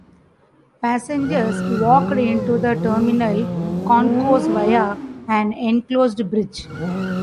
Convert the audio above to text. Passengers walked into the terminal concourse via an enclosed bridge.